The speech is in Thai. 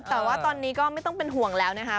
แต่ว่าตอนนี้ก็ไม่ต้องเป็นห่วงแล้วนะคะ